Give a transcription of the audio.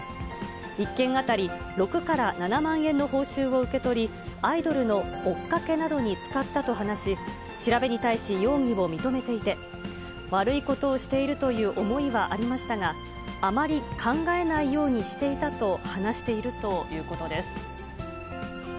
１件当たり６から７万円の報酬を受け取り、アイドルの追っかけなどに使ったと話し、調べに対し、容疑を認めていて、悪いことをしているという思いはありましたが、あまり考えないようにしていたと、話しているということです。